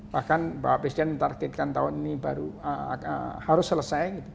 bahkan pak presiden targetkan tahun ini baru harus selesai